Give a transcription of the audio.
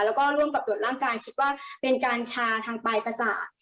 แล้วก็ร่วมกับตรวจร่างกายคิดว่าเป็นการชาทางปลายประสาท